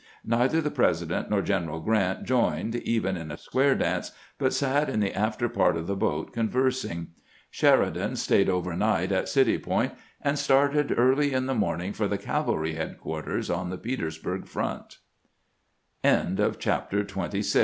Neither the President nor General Grant joined, even in a square dance, but sat in the after part of the boat conversing. Sheridan stayed overnight at City Point, and started early in the morning for the cavalry headquarters on the